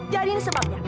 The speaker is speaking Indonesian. jadi ini sebabnya